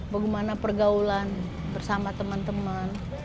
bagaimana pergaulan bersama teman teman